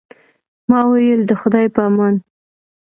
ما وویل، د خدای په امان.